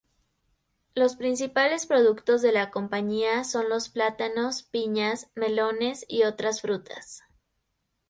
Los principales productos de la compañía son los plátanos, piñas, melones, y otras frutas.